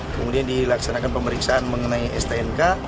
kemudian dilaksanakan pemeriksaan mengenai stnk